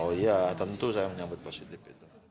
oh iya tentu saya menyambut positif itu